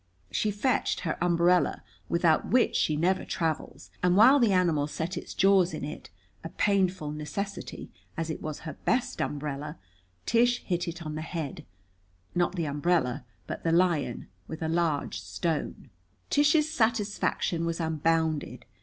She fetched her umbrella, without which she never travels, and while the animal set its jaws in it a painful necessity, as it was her best umbrella Tish hit it on the head not the umbrella, but the lion with a large stone. Tish's satisfaction was unbounded.